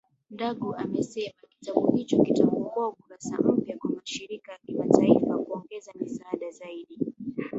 Ndagu amesema kitabu hicho kitafungua ukurasa mpya kwa mashirika ya kimataifa kuongeza misaada zaidi